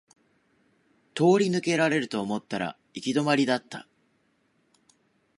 通り抜けられると思ったら行き止まりだった